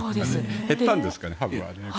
減ったんですかね、ハブは。